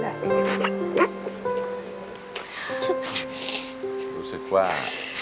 รู้สึกว่า